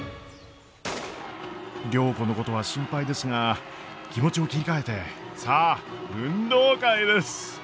良子のことは心配ですが気持ちを切り替えてさあ運動会です！